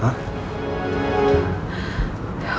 biar gak telat